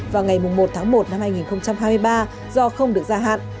vào ngày một một hai nghìn hai mươi ba do không được gia hạn